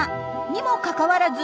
にもかかわらず